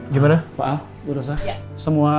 gimana pak al berurusan yaa